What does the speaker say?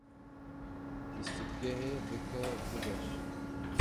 Lîstikgehê dike du beş.